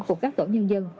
của các tổ nhân dân